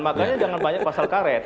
makanya jangan banyak pasal karet